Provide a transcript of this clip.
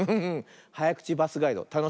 はやくちバスガイドたのしいね。